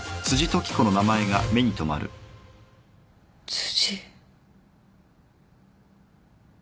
辻。